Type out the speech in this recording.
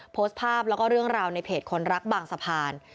โพสต์ภาพแล้วก็เรื่องราวในเพจคนรักบางสะพาน